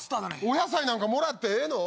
お野菜なんかもらってええの？